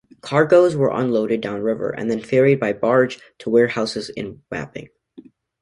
Cargoes were unloaded downriver and then ferried by barge to warehouses in Wapping.